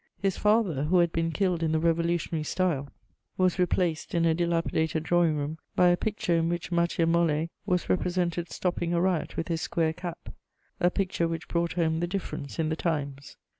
His father, who had been killed in the revolutionary style, was replaced, in a dilapidated drawing room, by a picture in which Matthieu Molé was represented stopping a riot with his square cap: a picture which brought home the difference in the times.